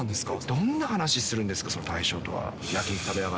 どんな話するんですか、大将とは。